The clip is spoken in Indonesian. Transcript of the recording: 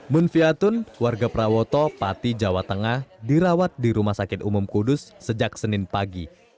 mun fiatun warga prawoto pati jawa tengah dirawat di rumah sakit umum kudus sejak senin pagi